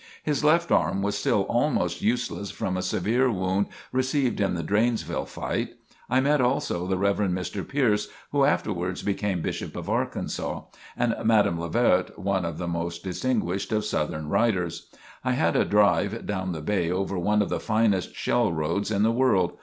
His left arm was still almost useless from a severe wound received in the Dranesville fight. I met also the Rev. Mr. Pierce, who afterwards became Bishop of Arkansas; and Madame Le Vert, one of the most distinguished of Southern writers. I had a drive down the bay over one of the finest shell roads in the world.